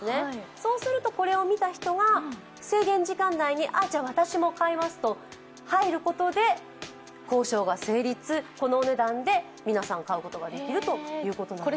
そうするとこれを見た人が制限時間内に私も買いますと入ることで交渉が成立このお値段で皆さん買うことができるということなんです。